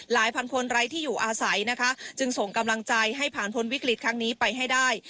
พันคนไร้ที่อยู่อาศัยนะคะจึงส่งกำลังใจให้ผ่านพ้นวิกฤตครั้งนี้ไปให้ได้